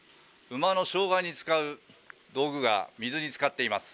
馬の障害に使う道具が水に浸かっています。